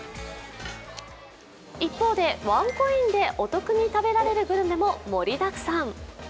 一方で、ワンコインでお得に食べられるグルメも盛りだくさん。